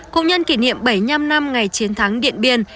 cụ nhân kỷ niệm bảy mươi năm năm ngày chiến thắng điện biên